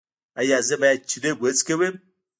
ایا زه باید چلم وڅکوم؟